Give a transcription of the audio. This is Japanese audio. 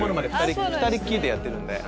２人っきりでやってるんで。